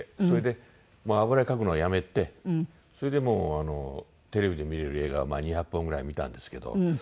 それで油絵描くのはやめてそれでもうテレビで見れる映画を２００本ぐらい見たんですけど。